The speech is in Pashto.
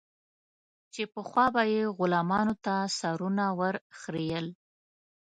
چې پخوا به یې غلامانو ته سرونه ور خرئېل.